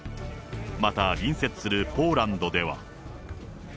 また隣接するポーランドでは。